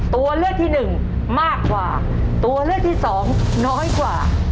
ตัวเลือดที่๑มากกว่าตัวเลือดที่๒น้อยกว่า